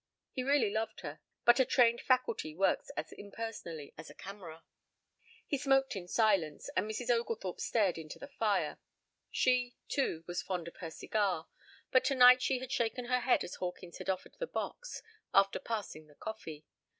He really loved her, but a trained faculty works as impersonally as a camera. He smoked in silence and Mrs. Oglethorpe stared into the fire. She, too, was fond of her cigar, but tonight she had shaken her head as Hawkins had offered the box, after passing the coffee.